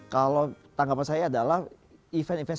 kalau tanggapan saya adalah event event